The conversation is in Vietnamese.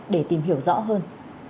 để tìm hiểu rõ hơn